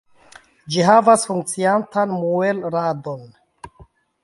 Ĝi havas funkciantan muelradon.